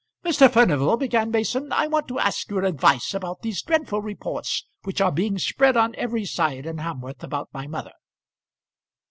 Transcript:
"Mr. Furnival," began Mason, "I want to ask your advice about these dreadful reports which are being spread on every side in Hamworth about my mother."